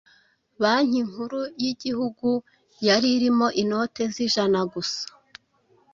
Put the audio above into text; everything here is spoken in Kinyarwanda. Banki Nkuru y’Igihugu yari irimo inote z’ijana gusa